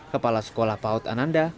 kepala sekolah paut ananda